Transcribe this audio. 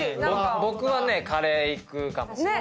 僕はカレー行くかも。